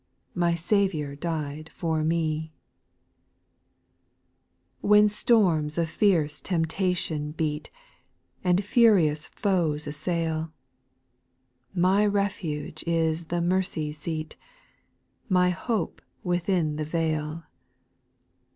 My Saviour died for me 1 2. When storms of fierce temptation beat, And furious foes assail, My refuge is the mercy seat. My hope within the veil.